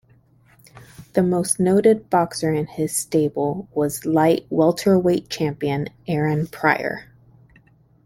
The most noted boxer in his stable was light-welterweight champion Aaron Pryor.